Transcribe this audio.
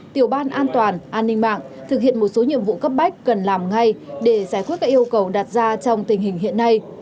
tiểu ban an toàn an ninh mạng thực hiện một số nhiệm vụ cấp bách cần làm ngay để giải quyết các yêu cầu đặt ra trong tình hình hiện nay